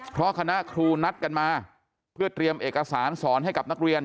เพราะคณะครูนัดกันมาเพื่อเตรียมเอกสารสอนให้กับนักเรียน